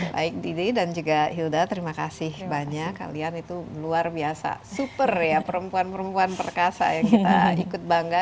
baik didi dan juga hilda terima kasih banyak kalian itu luar biasa super ya perempuan perempuan perkasa yang kita ikut bangga